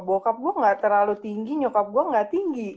bokap gue gak terlalu tinggi nyukap gue gak tinggi